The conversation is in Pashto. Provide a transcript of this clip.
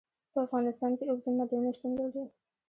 په افغانستان کې اوبزین معدنونه شتون لري.